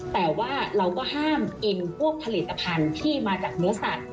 แต่ว่าเราก็ห้ามกินพวกผลิตภัณฑ์ที่มาจากเนื้อสัตว